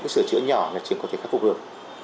sửa chữa nhỏ là chưa có thể khắc phục được